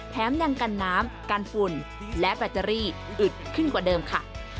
แถมยังกันน้ำกันฝุ่นและแบตเตอรี่อึดขึ้นกว่าเดิมค่ะ